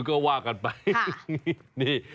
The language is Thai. ก็ว่ากันไป